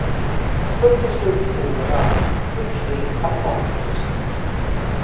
For the district in Yunnan, please see Panlong District.